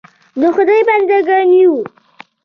د خدای بنده ګان یو .